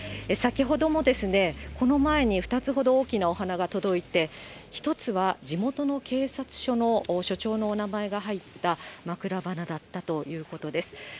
先ほどもこの前に２つほど大きなお花が届いて、一つは地元の警察署の署長のお名前が入った枕花だったということです。